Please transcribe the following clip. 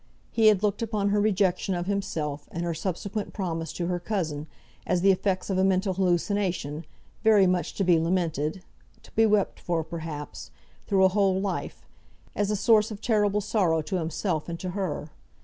He had looked upon her rejection of himself, and her subsequent promise to her cousin, as the effects of a mental hallucination, very much to be lamented, to be wept for, perhaps, through a whole life, as a source of terrible sorrow to himself and to her.